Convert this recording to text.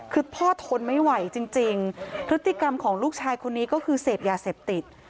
คือพ่อทนไม่ไหวจริงพฤติกรรมของลูกชายคนนี้ก็คือเสพยาเสพติด